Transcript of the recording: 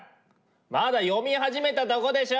まだ読み始めたとこでしょ！